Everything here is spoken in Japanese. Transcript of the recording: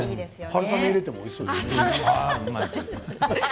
春雨を入れてもおいしそうですね。